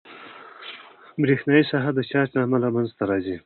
برېښنایي ساحه د چارج له امله منځته راځي.